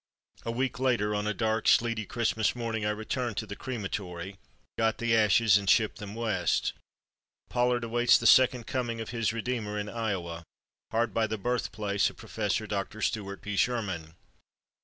A week later, on a dark, sleety Christmas morning, I returned to the crematory, got the ashes, and shipped them West. Pollard awaits the Second Coming of his Redeemer in Iowa, hard by the birthplace of Prof. Dr. Stuart P. Sherman.